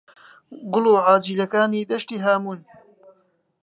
«گوڵ و حاجیلەکانی دەشتی هاموون»